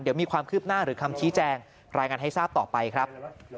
เดี๋ยวมีความคืบหน้าหรือคำชี้แจงรายงานให้ทราบต่อไปครับ